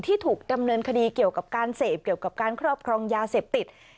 ที่ถูกดำเนินคดีเกี่ยวกับการเสพเกี่ยวกับการครอบครองยาเสพติด